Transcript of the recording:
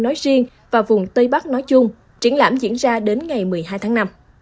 nói riêng và vùng tây bắc nói chung triển lãm diễn ra đến ngày một mươi hai tháng năm